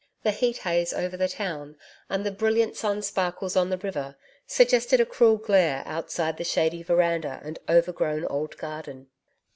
The heat haze over the town and the brilliant sun sparkles on the river suggested a cruel glare outside the shady veranda and over grown old garden.